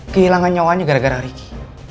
kehilangan nyawanya gara gara rich